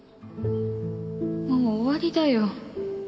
もう終わりだよ